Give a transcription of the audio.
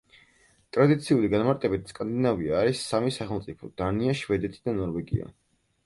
ტრადიციული განმარტებით სკანდინავია არის სამი სახელმწიფო: დანია, შვედეთი და ნორვეგია.